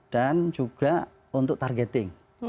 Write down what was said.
dan juga untuk targeting